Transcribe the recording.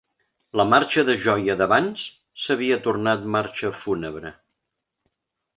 La marxa de joia d'abans s'havia tornat marxa fúnebre